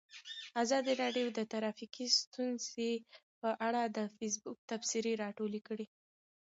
ازادي راډیو د ټرافیکي ستونزې په اړه د فیسبوک تبصرې راټولې کړي.